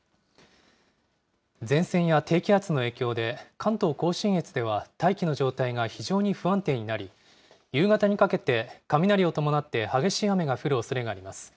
前線や低気圧の影響で、関東甲信越では大気の状態が非常に不安定になり、夕方にかけて、雷を伴って激しい雨が降るおそれがあります。